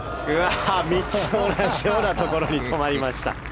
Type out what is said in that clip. ３つ同じようなところに止まりました。